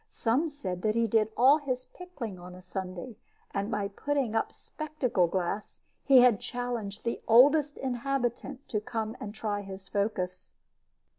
Some said that he did all his pickling on a Sunday; and by putting up "spectacle glass" he had challenged the oldest inhabitant to come and try his focus.